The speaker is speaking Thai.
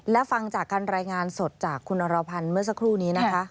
และฟังจากการรายงานสดจากคุณอรพันธ์เมื่อสักครู่นี้นะคะ